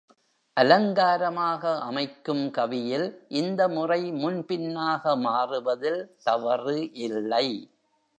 அலங்காரமாக அமைக்கும் கவியில் இந்த முறை முன்பின்னாக மாறுவதில் தவறு இல்லை.